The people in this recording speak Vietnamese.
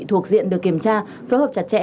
thuộc diện được kiểm tra phối hợp chặt chẽ